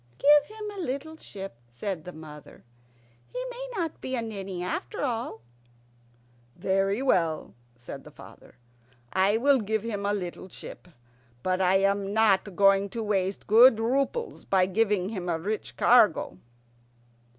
"Give him a little ship," said the mother. "He may not be a ninny after all." "Very well," said his father. "I will give him a little ship; but I am not going to waste good roubles by giving him a rich cargo."